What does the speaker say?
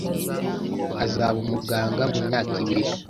Azaba umuganga mumyaka ibiri.